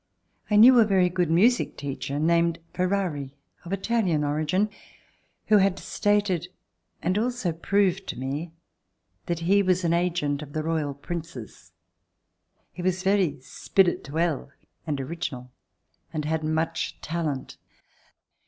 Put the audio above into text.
I knew a very good music teacher named Ferrari, of Italian origin, who had stated and also proved to me that he was an agent of the Royal Princes. He was very spirituel and original and had much talent.